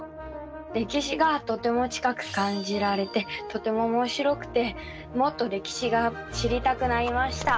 歴史がとても近く感じられてとてもおもしろくてもっと歴史が知りたくなりました。